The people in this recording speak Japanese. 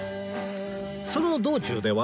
その道中では